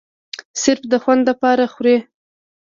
صرف د خوند د پاره خوري